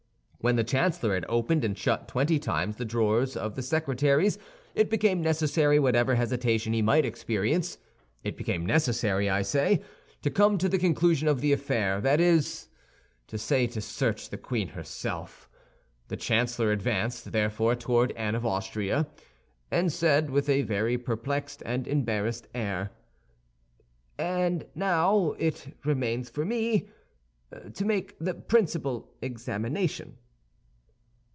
When the chancellor had opened and shut twenty times the drawers of the secretaries, it became necessary, whatever hesitation he might experience—it became necessary, I say, to come to the conclusion of the affair; that is to say, to search the queen herself. The chancellor advanced, therefore, toward Anne of Austria, and said with a very perplexed and embarrassed air, "And now it remains for me to make the principal examination."